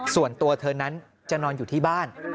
ส่วนตัวเธอนั้นจะนอนอยู่ที่บ้าน